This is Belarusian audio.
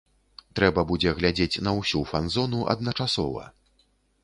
Трэба будзе глядзець на ўсю фанзону адначасова!